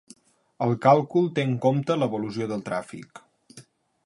El càlcul té en compte l’evolució del tràfic.